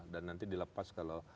dan nanti dilepas kalau